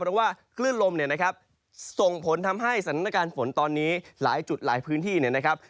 เพราะว่าคลื่นลมเนี่ยนะครับส่งผลทำให้สถานการณ์ฝนตอนนี้หลายจุดหลายพื้นที่เนี่ยนะครับ